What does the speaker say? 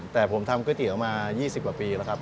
แต่ผมทำก๋วยเตี๋ยวมา๒๐กว่าปีแล้วครับ